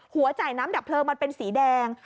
หัวจ่ายน้ำดับเพลิงมันเป็นสีแดง